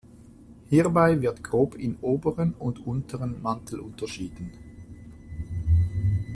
Hierbei wird grob in Oberen und Unteren Mantel unterschieden.